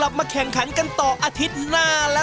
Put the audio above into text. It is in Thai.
นี่อยู่ตรงไหนเนี่ยไปที่หลงหลง